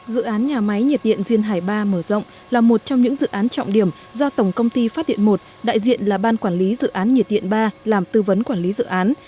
dự án nhà máy nhiệt điện duyên hải ba mở rộng là một trong những dự án trọng điểm do tổng công ty phát điện một đại diện là ban quản lý dự án nhiệt điện ba làm tư vấn quản lý dự án